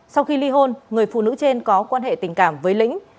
sau khi ly hôn người phụ nữ trên có quan hệ tình cảm với lĩnh